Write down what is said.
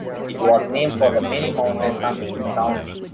It was named for the many mountain summits in the county.